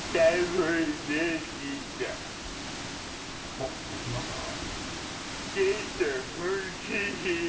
おっできましたか。